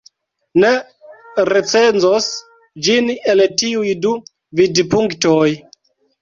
Ni recenzos ĝin el tiuj du vidpunktoj.